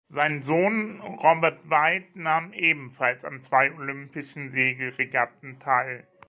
Sein Sohn Robert White nahm ebenfalls an zwei olympischen Segelregatten teil.